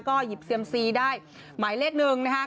ก็หยิบเซียมซีได้หมายเลขหนึ่งนะคะ